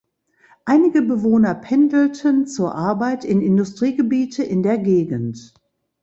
Einige Bewohner pendelten zur Arbeit in Industriegebiete in der Gegend.